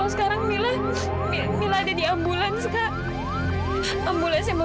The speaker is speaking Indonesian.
sampai jumpa di video selanjutnya